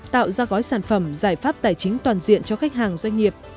tạo ra gói sản phẩm giải pháp tài chính toàn diện cho khách hàng doanh nghiệp